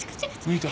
抜いた。